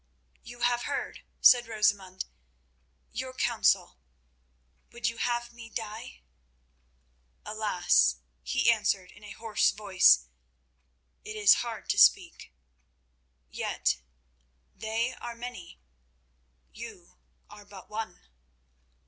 "You have heard," said Rosamund. "Your counsel. Would you have me die?" "Alas!" he answered in a hoarse voice. "It is hard to speak. Yet, they are many—you are but one."